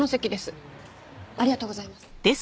ありがとうございます。